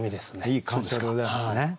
いい鑑賞でございますね。